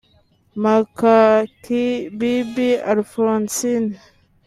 Makakibibi Alphonsine